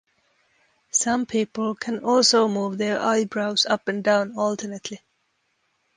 Some people can also move their eyebrows up and down alternately.